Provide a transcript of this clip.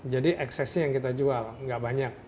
jadi eksesnya yang kita jual nggak banyak